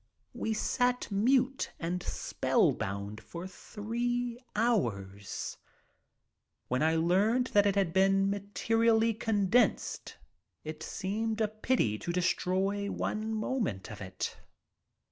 We sat mute and spellbound for three hours. When I learned that it had to be materially condensed it seemed a pity to destroy one moment of it.